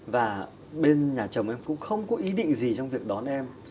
và bên nhà chồng em cũng không có ý định gì trong việc đón em